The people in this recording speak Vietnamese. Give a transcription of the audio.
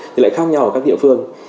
thì lại khác nhau ở các địa phương